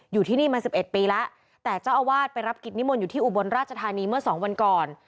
อยู่ที่นี่มา๑๑ปีแล้วแต่เจ้าอาวาสไปรับกิจนิมนต์อยู่ที่อุบลราชธานีเมื่อสองวันก่อน